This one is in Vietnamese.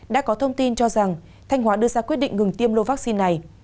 đã có thông tin cho rằng thanh hóa đưa ra quyết định ngừng tiêm lô vaccine này